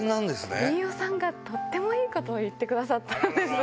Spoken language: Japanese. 飯尾さんがとってもいいことを言ってくださったんです。